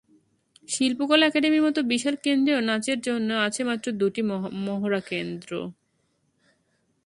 শিল্পকলা একাডেমির মতো বিশাল কেন্দ্রেও নাচের জন্য আছে মাত্র দুটি মহড়াকেন্দ্র।